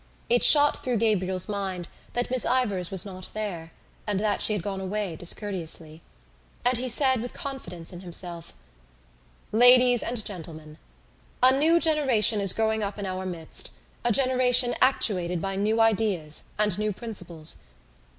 It shot through Gabriel's mind that Miss Ivors was not there and that she had gone away discourteously: and he said with confidence in himself: "Ladies and Gentlemen, "A new generation is growing up in our midst, a generation actuated by new ideas and new principles.